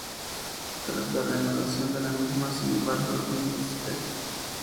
Tras la reanudación de la misma, sin embargo, Lyn St.